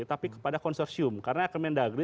tapi kepada konsorsium karena kemendagri